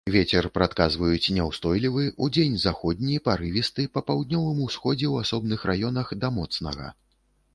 Вецер прадказваюць няўстойлівы, удзень заходні, парывісты, па паўднёвым усходзе ў асобных раёнах да моцнага.